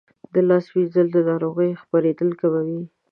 د لاسونو مینځل د ناروغیو خپرېدل کموي.